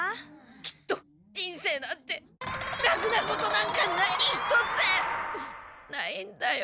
きっと人生なんて楽なことなんか何一つないんだよ。